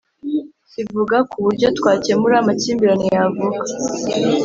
kivuga kuburyo twakemura amakimbirane yavuka